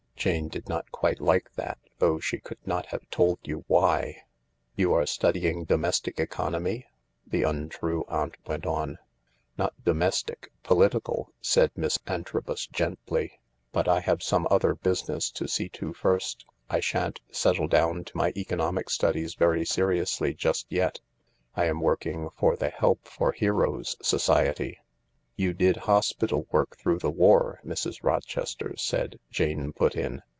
Jane did not quite like that, though she could not have told you why. " You are studying domestic economy ?" the untrue aunt went on. 244 THE LARK " Not domestic — political," said Miss Antrobus gently. "But I have some other business to see to first. I shan't settle down to my economic studies very seriously just yet. I'm working for the Help for Heroes Society." " You did hospital work through the war, Mrs, Rochester said," Jane put in.